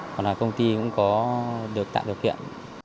còn là công ty cũng có được tạo điều kiện